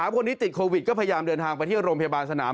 คนที่ติดโควิดก็พยายามเดินทางไปที่โรงพยาบาลสนาม